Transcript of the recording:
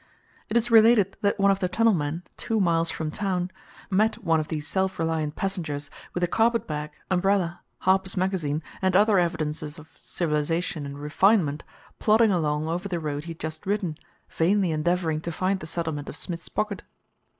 It is related that one of the tunnel men, two miles from town, met one of these self reliant passengers with a carpetbag, umbrella, Harper's Magazine, and other evidences of "Civilization and Refinement," plodding along over the road he had just ridden, vainly endeavoring to find the settlement of Smith's Pocket.